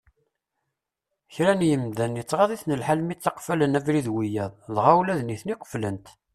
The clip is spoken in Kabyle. Kra n yimdanen ittɣad-iten lḥal mi tteqfalen abrid wiyaḍ, dɣa ula d nutni qeflen-t.